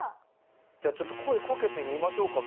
⁉じゃあちょっと声かけてみましょうか。